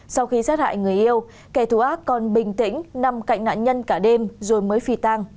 sau khi xác hại người yêu kẻ thù ác còn bình tĩnh nằm cạnh nạn nhân cả đêm rồi mới phì tăng